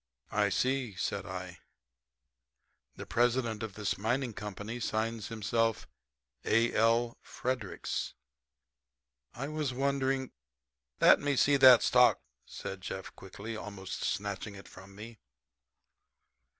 "I see," said I, "the president of this mining company signs himself A. L. Fredericks. I was wondering " "Let me see that stock," said Jeff quickly, almost snatching it from me.